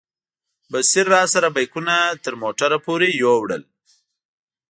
بصیر راسره بیکونه تر موټره پورې یوړل.